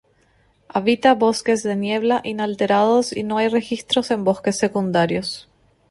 Habita bosques de niebla inalterados y no hay registros en bosques secundarios.